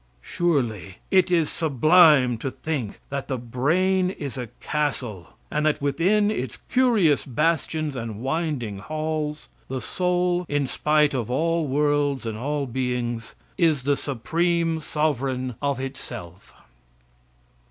Surely it is sublime to think that the brain is a castle, and that within its curious bastions and winding halls the soul, in spite of all worlds and all beings, is the supreme sovereign of itself.